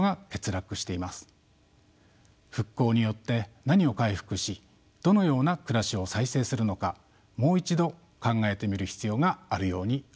復興によって何を回復しどのような暮らしを再生するのかもう一度考えてみる必要があるように思います。